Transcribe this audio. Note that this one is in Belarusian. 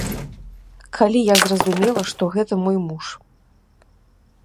Калі я зразумела, што гэта мой муж.